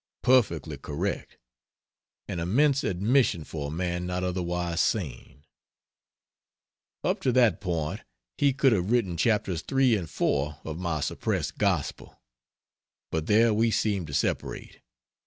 Perfectly correct! An immense admission for a man not otherwise sane. Up to that point he could have written chapters III and IV of my suppressed "Gospel." But there we seem to separate.